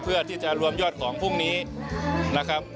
เพื่อที่จะรวมยอดของพรุ่งนี้นะครับ